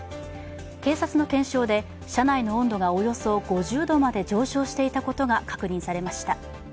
警察の検証で、車内の温度がおよそ５０度まで上昇していたことが確認されました。